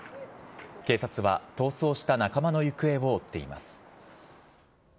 警察は、逃走した仲間の行方を追っています。